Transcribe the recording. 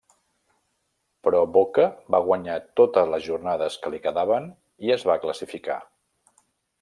Però Boca va guanyar totes les jornades que li quedaven i es va classificar.